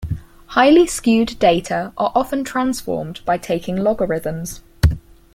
Highly skewed data are often transformed by taking logarithms.